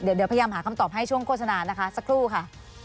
เดี๋ยวพยายามหาคำตอบให้ช่วงโฆษณานะคะสักครู่ค่ะ